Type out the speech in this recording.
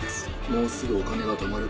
もうすぐお金がたまる。